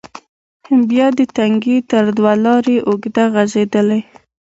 بیا د تنگي تر دوه لارې اوږده غزیدلې،